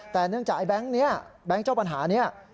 แต่เนื่องจากแบงค์เจ้าปัญหานี้